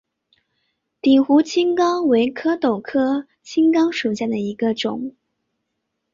鼎湖青冈为壳斗科青冈属下的一个种。